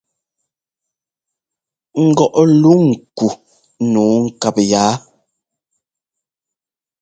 Ŋgɔʼ luŋ ku nǔu ŋkáp yaa?